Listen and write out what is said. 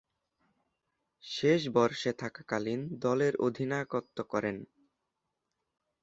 শেষ বর্ষে থাকাকালীন দলের অধিনায়কত্ব করেন।